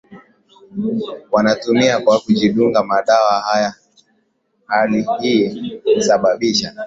wanatumia kwa kujidunga madawa haya Hali hii husababisha